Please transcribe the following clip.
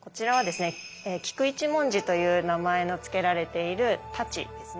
菊一文字という名前の付けられている太刀ですね。